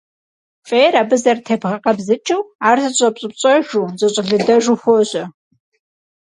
Фӏейр абы зэрытебгъэкъэбзыкӏыу, ар зэщӏэпщӏыпщӏэжу, зэщӏэлыдэжу хуожьэ.